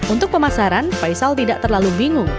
untuk pemasaran faisal tidak terlalu bingung